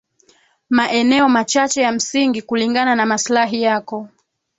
maeneo machache ya msingi kulingana na maslahi yako